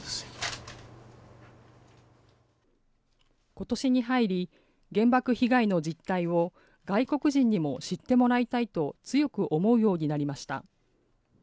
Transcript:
ことしに入り、原爆被害の実態を外国人にも知ってもらいたいと強く思うようになりました。